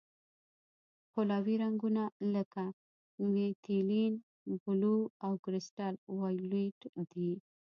قلوي رنګونه لکه میتیلین بلو او کرسټل وایولېټ دي.